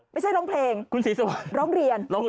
ไม่ใช่ร้องเพลงร้องเรียน